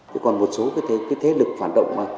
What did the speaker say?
tôi còn một số cái thế lực phản động